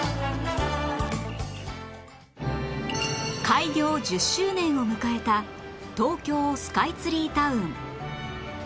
開業１０周年を迎えた東京スカイツリータウン